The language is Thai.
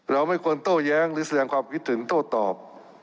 เราไม่ควรโต้แย้งหรือแสดงความคิดถึงโต้ตอบ